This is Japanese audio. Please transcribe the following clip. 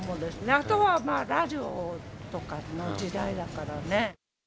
あとはラジオとかの時代だからね。